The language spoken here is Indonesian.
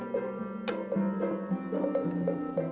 makan aja biasa